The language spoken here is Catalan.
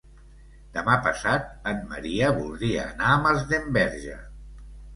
Demà passat en Maria voldria anar a Masdenverge.